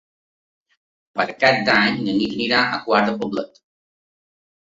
Per Cap d'Any na Nit anirà a Quart de Poblet.